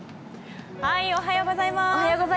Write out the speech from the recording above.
おはようございます。